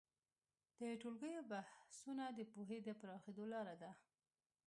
د ټولګیو بحثونه د پوهې د پراخېدو لاره ده.